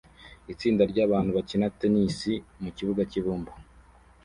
Itsinda ryabantu bakina tennis mukibuga cyibumba